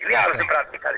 ini harus diperhatikan